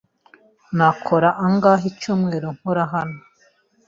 Nakora angahe icyumweru nkora hano?